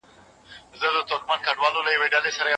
یوازې هغه مرستندوی دی.